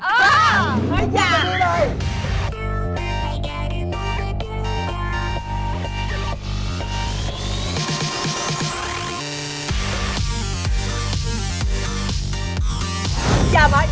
เอ่อไม่อยากจะดีเลย